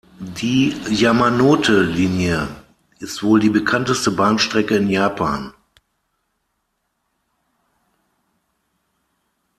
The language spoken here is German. Die Yamanote-Linie ist wohl die bekannteste Bahnstrecke in Japan.